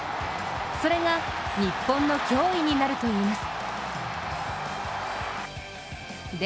それが日本の脅威になるといいます。